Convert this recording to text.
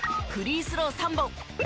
フリースロー３本。